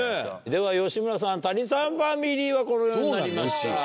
では吉村さん谷さんファミリーはこのようになりました。